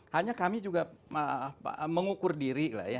hanya kami juga mengukur diri lah ya